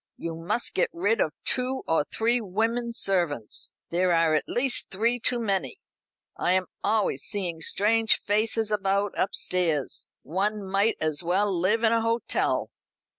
You must get rid of two or three women servants. There are at least three too many. I am always seeing strange faces about upstairs. One might as well live in a hotel.